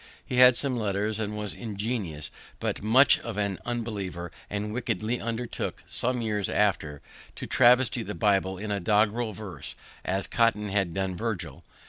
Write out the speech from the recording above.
He had some letters, and was ingenious, but much of an unbeliever, and wickedly undertook, some years after, to travesty the Bible in doggrel verse, as Cotton had done Virgil.